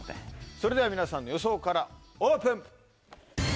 それでは皆さんの予想からオープン。